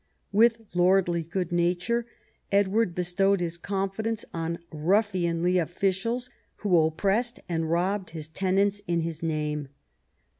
With lordly good nature, Edward bestowed his confidence on ruffianly officials, who op pressed and robbed his tenants in his name.